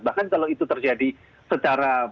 bahkan kalau itu terjadi secara